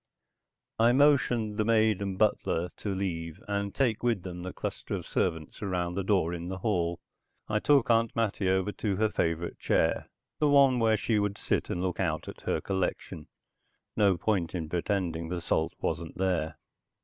I motioned the maid and butler to leave and take with them the cluster of servants around the door in the hall. I took Aunt Mattie over to her favorite chair, the one where she could sit and look out at her collection; no point in pretending the salt wasn't there.